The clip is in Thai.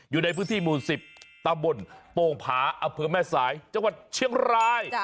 อยู่ในพื้นที่หมู่๑๐ตำบลโป่งผาอำเภอแม่สายจังหวัดเชียงราย